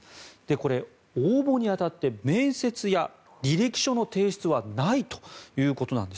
これ、応募に当たって面接や履歴書の提出はないということです。